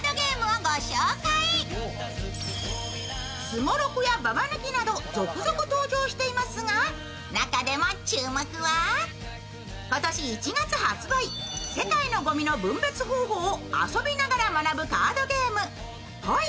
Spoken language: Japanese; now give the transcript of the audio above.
すごろくやババ抜きなど続々登場していますが中でも注目は、今年１月発売、世界のごみの分別方法を遊びながら学ぶカードゲーム「ｐｏｉ」